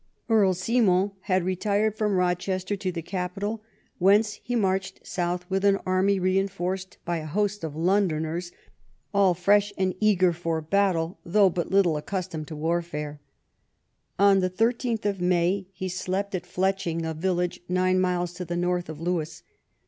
Earl Simon had retired from Rochester to the capital, whence he marched south with an army reinforced by a host of Londoners, all fresh and eager for battle, though but little accustomed to warfare. On 13th May he slept at Fletching, a village nine miles to the north of Lewes.